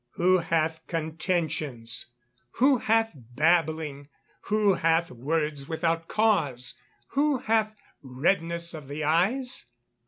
who hath contentions? who hath babbling? who hath words without cause? who hath redness of the eyes?